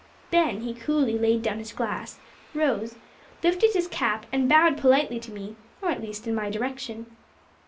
Then he coolly laid down his glass, rose, lifted his cap and bowed politely to me or, at least, in my direction.